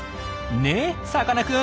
ねえさかなクン。